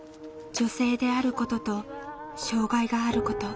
女性であることと障害があること。